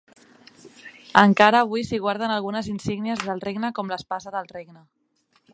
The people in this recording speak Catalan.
Encara avui s'hi guarden algunes insígnies del regne com l'espasa del regne.